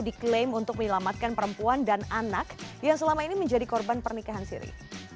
diklaim untuk menyelamatkan perempuan dan anak yang selama ini menjadi korban pernikahan siri